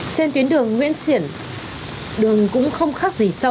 trên tuyến đường nguyễn xiển đường cũng không khác gì sâu